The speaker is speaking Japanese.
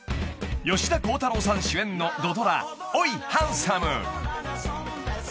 ［吉田鋼太郎さん主演の土ドラ『おいハンサム！！』］